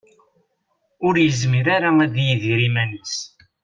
Ur yezmir ara ad yidir iman-is.